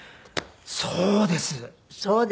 そうです。